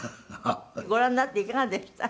ご覧になっていかがでした？